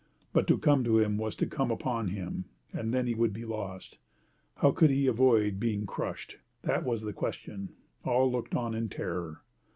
But to come to him was to come upon him. And then he would be lost. How could he avoid being crushed! That was the question. All looked on in terror.